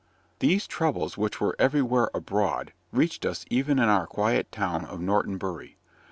These troubles, which were everywhere abroad, reached us even in our quiet town of Norton Bury.